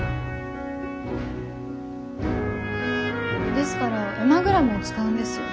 ですからエマグラムを使うんですよ。